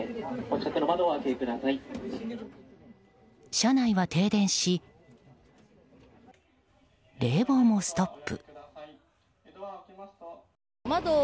車内は停電し冷房もストップ。